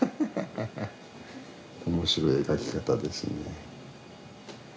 面白い描き方ですね。